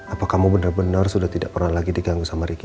apa kamu bener bener sudah tidak pernah lagi diganggu sama riki